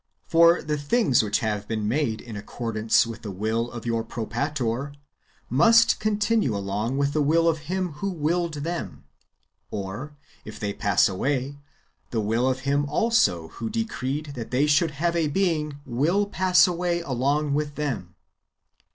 For the things which have been made in accordance with the will of your Propator must continue along with the will of Him who willed them ; or if they pass away, the will of Him also who decreed that they should have a being will pass away along with them.